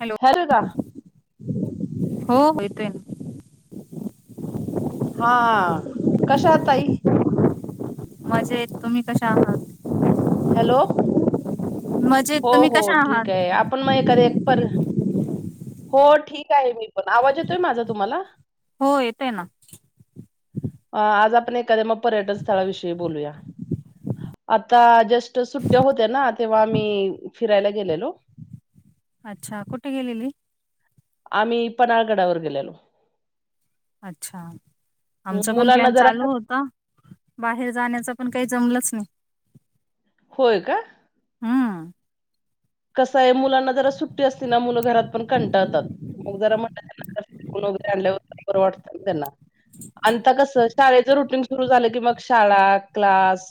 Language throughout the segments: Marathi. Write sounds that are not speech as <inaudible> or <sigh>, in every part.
हॅलो हरे राम हो येतोय ना हा कशा आ ताई मजेत येत तुम्ही कशा आहात. हॅलो मजेत हो तुम्ही हो कशा ठीक आहात आहे. आपण मग ए पर हो ठीक आहे. मी पण आवाज येतोय माझा तुम्हाला हो येतय. ना अ आज आपण एखाद्या मग पर्यटन स्थळाविषयी बोलूया आता जस्ट सुट्ट्या होत्या ना तेव्हा आम्ही फिरायला गेलेलो. अच्छा कुठे गेलेली. आम्ही पन्हाळगडावर गेलेलो. अच्छा आमच पण मुलांना प्लॅन जरा चालू होत. बाहेर जाण्याच पण काही जमलंच नाही. होय का! हम्म कस आहे मुलांना सुट्टी असली की मुलं घरात कंटाळात न जरा म्हटलं पोरांचे फिरणं होईल. बाहेर फिरून आल्यावर बरं जरा आणि कसं शाळेच रुटींग सुरू झालं. की मग शाळा क्लास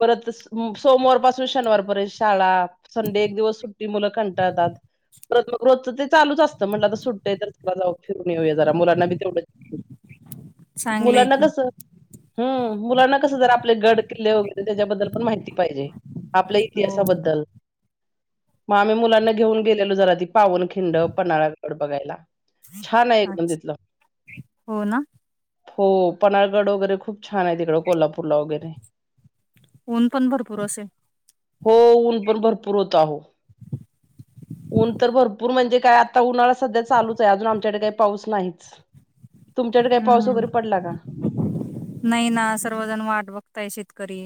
परत सोमवार पासून शनिवार पर्यंत शाळा संडे एक दिवस सुट्टी मुलं खंटाळतात. परत मग रोजच तेच चालूच असतं म्हटलं आता सुट्ट्या आहेत तर फिरून यावं जरा मुलांना बी तेवढंच! चांगलंय मुलांना की कस हम्म मुलांना कसं जर आपले गड किल्ले वगैरे त्याच्याबद्दल पण माहिती पाहिजे. आपल्या हो इतिहासाबद्दल मग आम्ही मुलांना घेऊन गेलेलो. जरा ती पावन खिंड पन्हाळगड बघायला. छान आहे. एकदम अच्छा तिथलं हो ना हो पन्हाळगड वगैरे खूप छान आहे. तिकडं कोल्हापूरला वगैरे ऊन पण भरपूर असे! हो ऊन पण भरपूर होत. अहो ऊन तर भरपूर म्हणजे काय आता उन्हाळा सध्या चालूच आहे. अजून आमच्याकडे काही पाऊस नाहीच. तुमच्याकडे काही पाऊस वगैरे हम्म पडला का? नाही. ना सर्वजण वाट बघताय शेतकरी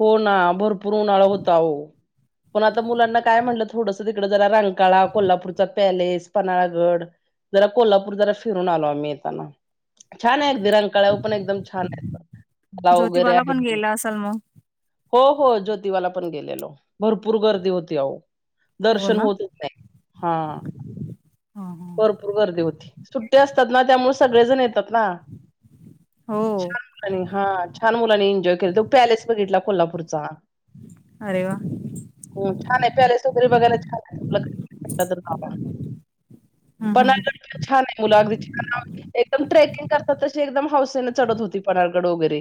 हो ना भरपूर उन्हाळा होता ओ. पण आता मुलांना काय म्हटलं थोडंसं तिकडं जरा रंकाळा कोल्हापूरचा पॅलेस, पन्हाळागड जरा कोल्हापूर जरा फिरून आलो आम्ही येताना, छान आहे आणि रंकाळ्यावर पण एकदम छान आहे. बाव वगैरे ज्योतिबाला पण गेला असाल मग हो हो ज्योतिबाला पण गेलेलो भरपूर गर्दी होती अहो. हो दर्शन ना होतच नाही हा. हा, हा. भरपूर गर्दी होती. सुट्टी असतात ना, त्यामुळे सगळेजण येतात ना. हो छान मुलांनी हा छान मुलांनी एन्जॉय केला, तो पॅलेस बघितला कोल्हापूरचा. अरे वा! हं छान आहे पॅलेस वगैरे बघायला छान आहे. <unintelligible> हम्म, हम्म, हम्म. पन्हाळगड पण छान आहे. मुलं अगदी एकदम ट्रेकिंग करतात तशी एकदम हौसेने चढत होती पन्हाळगड वगैरे.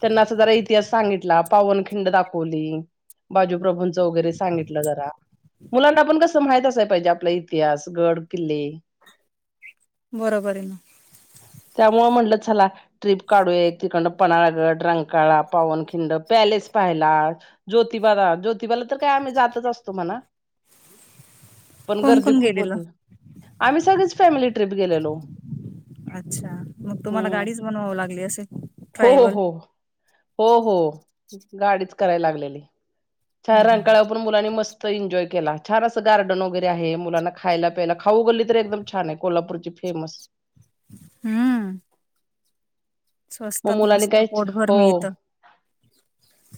त्याना असं जरा इतिहास सांगितला, पावनखिंड दाखवली, बाजूप्रभूंचं वगैरे सांगितलं जरा. मुलांना पण कसं माहित असाय पाहिजे आपला इतिहास, गड, किल्ले. बरोबर आहे ना. त्यामुळे म्हंटलं चला ट्रीप काढू एक तिकडनं पन्हाळागड, रंकाळा पावन खिंड, पॅलेस पाहिला ज्योतिबा ज्योतिबाला तर काय आम्ही जातच असतो म्हणा. <inaudible> पण गर्दी कोण खूप गेलेलं होती, आम्ही सगळीच फॅमिली ट्रिप गेलेलो. अच्छा, मग तुम्हाला हम्म गाडीच बनवाव लागली असे हो हो ट्रॅव्हल? हो हो हो गाडीच करायला लागलेली. छान हं, हं. रंकाळपरून मुलांनी मस् एन्जॉय केला. छान असं गार्डन वगैरे आहे, मुलांना खायला प्यायला खाऊ गल्ली तर एकदम छान आहे कोल्हापूरची. फेमस. हम्म. मग स्वस्तात मुलांनी मस्त काय पोटभर हो मिळत.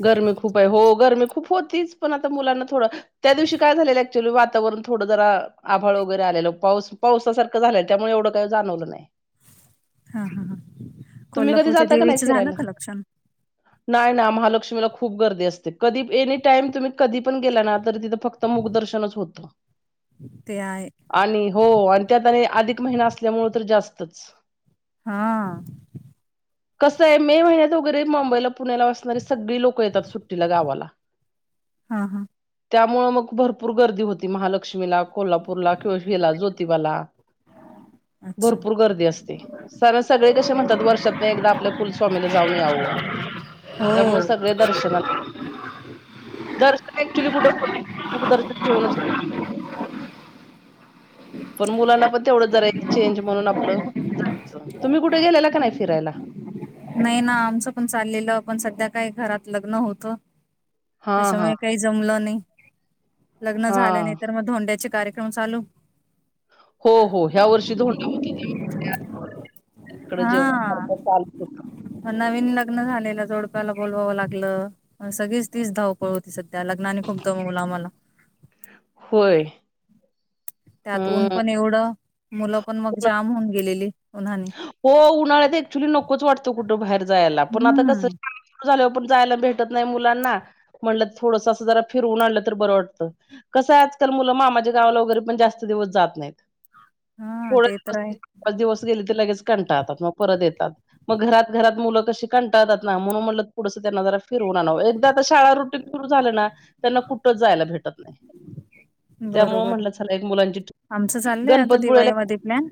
गरमी खूप आहे हो, गरमी खूप हो तीच पण आता मुलांना थोडं त्या दिवशी काय झालेलं ऍक्च्युली वातावरण थोडं जरा आभाळ वगैरे आलेल. पाऊस पावसासारखं झालं त्यामुळे एवढं काही जाणवलं नाही. हा हा ह तुम्ही कधी कोल्हापूरच्या जाता का नाही देवीचं झालं फिरायला का लक्षण? नाही ना. महालक्ष्मीला खूप गर्दी असते, कधी एनी टाईम तुम्ही कधी पण गेला ना तर तिथं फक्त मुखदर्शनच होत ते आहे. आणि हो आणि त्यात आणि अधिक महिना असल्यामुळे तर जास्तच. हा. कसं आहे मे महिन्यात वगैरे मुंबईला, पुण्याला असणारी सगळी लोक येतात सुट्टीला गावाला. हा हा. त्यामुळे मग भरपूर गर्दी होती महालक्ष्मीला, कोल्हापूरला किंवा हिला ज्योतिबाला. <inaudible> भरपूर गर्दी असते, सर सगळे कसे म्हणतात वर्षातन एकदा आपल्या कुलस्वामीला जाऊन याव. हा. त्यामुळे सगळे दर्शनाला. दर्शन <unintelligible> मुख दर्शन घेउनच की. <inaudible> पण मुलांना पण तेवढं जरा चेंज म्हणून आपलं जायचं, तुम्ही कुठे गेलेला का नाही फिरायला? नाही ना आमचं पण चाललेलं पण सध्या काही घरात लग्न होतं. हा हा त्याच्यामुळे काही जमलं नाही. लग्न हा झालं नाही, तर मग धोंड्याचे कार्य क्रम चालू. हो हो. ह्या वर्षी धोंडा तिकडं हा जेवण सारखं चालूच होतं. नवीन लग लग्न झालेल्या जोडप्याला बोलवावं लागलं सगळीच तीच धावपळ होती सध्या लग्न आणि खूप दम मला होय त्यात ऊन हम्म पण एवढं मुलं पण मग जाम होऊन गेलेली. उन्हाने. हो उन्हाळ्यात ऍक्च्युली नकोच वाटतो कुठं बाहेर जायला पण आता कसं... हम्म. पण जायला भेटत नाही मुलांना म्हटलं थोडस अस जरा फिरून आणलं तर बर वाटत... कसं आजकाल मुलं मामाच्या गावात गावाला वगैरे पण जास्त दिवस जात नाहीत. हा थोड ते तर आहे दिवस दिवस गेले... तर लगेच कंटाळतात मग परत येतात मग घरात घरात मूल कशी कंटाळतात ना म्हणून म्हटलं थोडस त्यांना जरा फिरून.. फिरून आणावं एकदा का शाळा रूटीन सुरू झाल ना त्यांना कुठच जायला <inaudible> भेटत... नाही <inaudible> त्यामुळे बरोबर म्हटलं चला एक मुलांची आमचं चाललंय आता गणपतपुळेला दिवाळीमध्ये प्लॅन....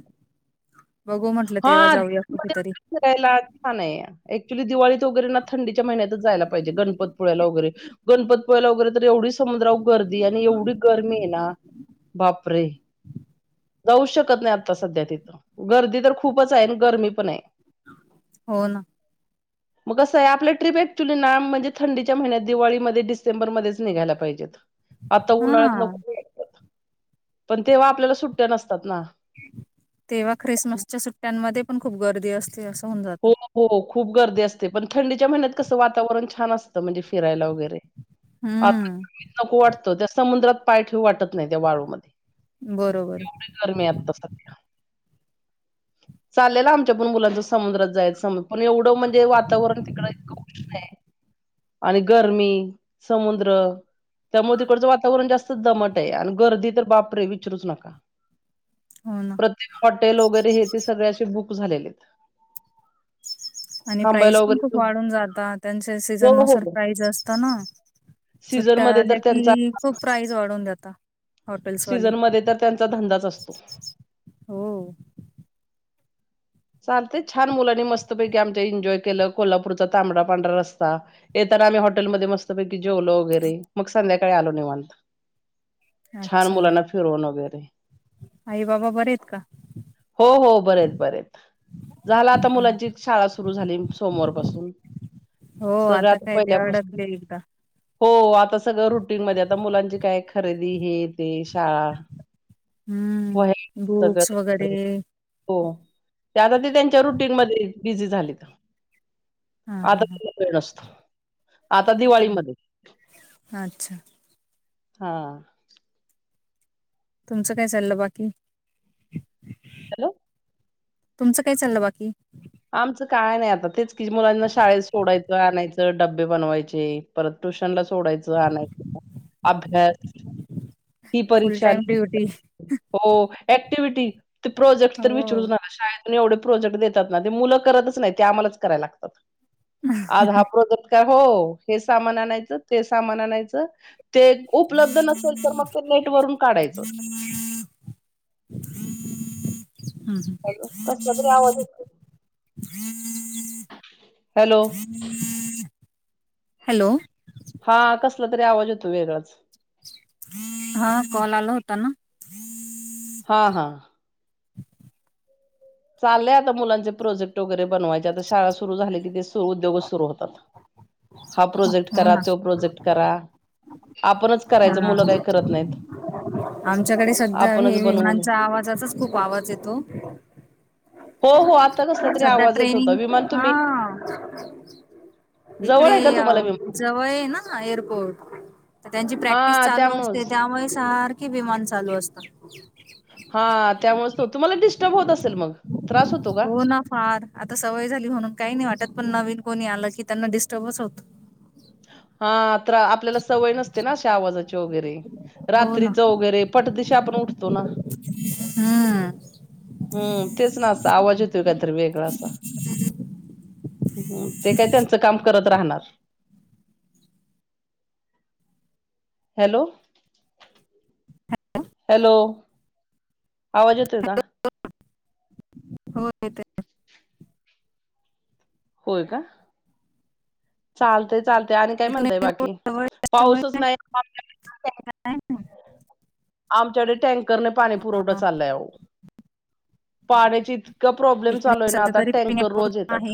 बरं... हा आत मध्ये फिरायला छान आहे. ऍक्च्युली दिवाळीत वगैरे ना थंडीच्या महिन्यातच जायला पाहिजे गणपतीपुळ्याला वगैरे... गणपतीपुळ्याला वगैरे तर एवढी समुद्रावर गर्दी आणि एवढी गरमी आहे ना. बापरे जाऊ शकत नाही आता सध्या तिथं गर्दीत... तर खूपच आहे आणि गरमी पण आहे. हो ना... मग कसं आहे आपल्या ट्रिप अक्चुली ना म्हणजे थंडीच्या महिन्यात दिवाळीमध्ये डिसेंबरमध्येच निघायला पाहिजे... आता उन्हाळ्यात हा नको पण तेव्हा आपल्याला सुट्या नसतात ना... तेव्हा ख्रिसमसच्या सुट्टयांमध्ये पण खूप गर्दी असते असं.. होऊन हो जातं हो... खूप गर्दी असते पण थंडीच्या महिन्यात कसं वातावरण छान असतं म्हणजे फिरायला वगैरे... आता हम्म नको वाटतो त्या समुद्रात पाय ठेवू वाटत नाही त्या वाळूला... बरोबर आहे एवढी गरमी आहे आता सध्या चाललेलं आमच्या पण मुलांच समुद्रात जायच समुद्रात.... पण एवढं म्हणजे वातावरण तिकड उष्ण आहे... आणि गरमी समुद्र... त्यामुळे तिकडचं वातावरण जास्त दमट आहे आणि गर्दी तर बापरे विचारूच नका... हो ना प्रत्येक हॉटेल वगैरे हे... सगळे असे बुक झालेत... आणि प्राईज पण खूप वाढून जात त्यांच्या हो सीझन नुसार हो प्राईज असत ना..... सुट्टया सीझनमध्ये तर झाल्या त्यांचा कि खूप प्राईज वाढून जातात... सीझनमध्ये तर त्यांचा धंदाच असतो... हो... चालते छान मुलांनी मस्तपैकी आमच्या एन्जॉय केलं कोल्हापूरचा तांबडा पांढरा रस्ता येत... आणि आम्ही हॉटेलमध्ये मस्तपैकी... जेवलो वगैरे मग संध्याकाळी आलो निवांत छान अच्छा मुलांना फिरवून वगैरे.... आई बाबा बरे आहेत का? हो हो बरेत बरेत.. झाला हं, आता हं. मुलांची शाळा सुरू झाली सोमवार पासून.... हो सगळं आता काय ते पहिल्यापासून अडकले इथं... हो आता सगळं रुटीनमध्ये आता मुलांची काय खरेदी हे ते शाळा.... वही हम्म पुस्तक बुक्स वगैरे दप्तरा... हो ते आता ते त्यांच्या रुटीनमध्ये बिझी झालेत. हा हा आता हा तर वेळ नसतो आता हं. दिवाळीमध्ये अच्छा हा.. तुमचं काय चाललं बाकी... हॅलो.. तुमचं काय चाललं बाकी.... आमचं काय नाही आता तेच कि मुलांना शाळेत सोडायचं, आणायचं, डबे बनवायचे परत ट्युशनला.... सोडायचं, आणायचं अभ्यास... ही फुल परीक्षा टाइम ड्युटी हो एक क्टीविटी ते प्रोजेक्ट तर हो विचरूच नका शाळेतनी एवढ प्रोजेक्ट देतात. ना ते मुलं करतच नाहीत ते आम्हालाच कराय लागतात आज हा प्रोजेक्ट करा हो हे सामान आणायचं ते सामान आणायचं ते उपलब्ध नसल तर मग ते नेट वरून काढायचं. <inaudible> हॅलो, हा. कसला तरी आवाज येतो <inaudible> हॅलो <inaudible> हॅलो. हा कसला तरी आवाज येतो वेगळाचं. हा कॉल आला होता ना? हा हा. चाललय आता मुलांचे प्रोजेक्ट वगैरे बनवाय ते आता शाळा सुरु झाली की ते सु उद्योगच सुरू होतात. हा प्रोजेक्ट हो करा ना तो प्रोजेक्ट करा आपणच करायच हा मुलं काय करत नाहीत. आमच्याकडे सध्या आपणच हे बनवून विमनानच्या आवाजचाच खूप आवाज येतो हो हो आत सध्या ट्रेनिंग हा. जवळ इकडे आहे का तुम्हाला विमान अं जवळ हे ना एअरपोर्ट त्यांची प्रॅक्टिस हा चालू असते त्यामुळेच त्यामुळे सारखी विमान चालू असता हा त्यामुळेच तो तुम्हाला डिस्टर्ब होत असल मग. त्रास होतो का हो ना फार आता सवय झाली म्हणून काही नाही वाटत पण नवीन कोणी आलं त्यांना डिस्टर्बच होत. हा तर आपल्याला सवय न आवाजाची वगैरे हो ना रात्रीचं वगैरे पटदीशी ते आपण उठतो ना. हा. हम्म तेच ना आस आवाज येतोय कायतर वेगळा असा हम्म ते काय त्यांचं काम करत राहणार. हॅलो. हॅ- लो. आवाज यतोय का? हो येतोय. होय का चालतय चालतय आणि काय इकडे म्हणताय बाकी रोड जवळ असल्यामुळे पाऊसच काही नाही <unintelligible> काय नाही. आमच्याडे टँकरने पाणी पुरवठा हा. चाललाय आवो पाण्याची इत का प्रॉब्लेम इकडे चालू हाय ना सध्या आता तरी टँकर रोज पिण्यापुरतं येतात. आहे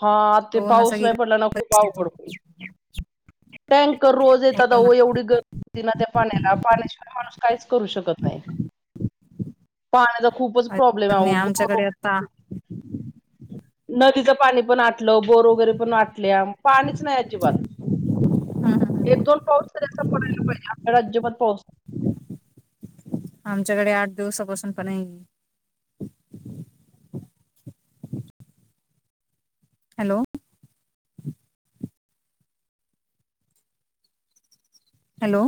हा आ ते हो ना पाऊस नाही सगळीकडे पडला ना खुप परिस्थिती अवघड हुईल. <unintelligible> टँकर रोज येतात हो ना आहो एवढी गर्दी होती ना त्या पाण्याला पाण्याशिवाय माणूस काहीच करू शकत नाही. पाण्याचा खूपच अ प्रॉब्लेम त आहे नाही अहो बोर आमच्याकडे आता नदीचं पाणी पण आटलं बोर वगैरे पण आटल्या पाणीच नाही अजिबात. हम्म, एक हम्म. दोन पाऊस तरी आता पडायला पाहिजे आपल्याकड अजिबात पाऊस आमच्याकडे आठ दिवसापासून पण नी हॅलो. हॅलो.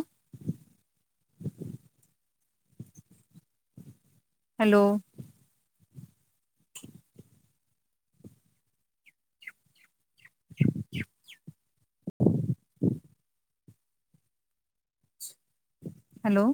हॅलो. <unintelligible> हॅलो.